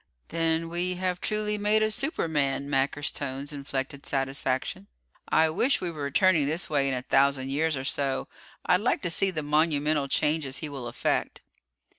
"Then we have truly made a superman," Macker's tones inflected satisfaction. "I wish we were returning this way in a thousand years or so. I'd like to see the monumental changes he will effect."